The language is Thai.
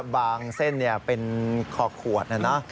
บางเส้นเนี่ยเป็นคอขวดนะนะ